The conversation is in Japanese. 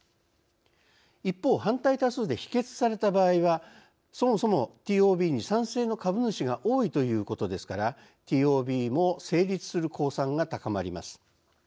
一方、反対多数で否決された場合はそもそもＴＯＢに賛成の株主が多いということですからＴＯＢも成立する公算が高まります。